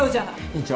院長